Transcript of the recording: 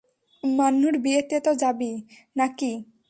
মান্নুর বিয়েতে তো যাবি, নাকি?